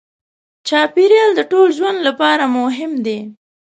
چاپېریال د ټولو ژوند لپاره مهم دی.